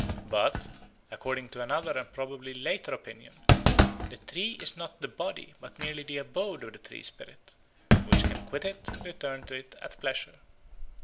But, according to another and probably later opinion, the tree is not the body, but merely the abode of the tree spirit, which can quit it and return to it at pleasure.